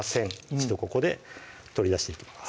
一度ここで取り出していきます